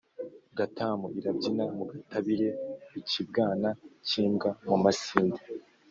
Gatamu irabyina mu gatabire-Ikibwana cy'imbwa mu masinde.